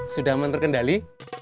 sudah aman terkendali